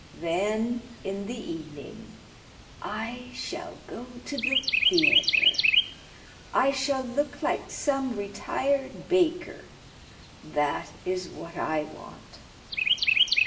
Then, in the evening, I shall go to the theatre; I shall look like some retired baker. That is what I want."